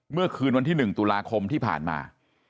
เมื่อคืนวันที่๑ตุลาคมที่ผ่านมา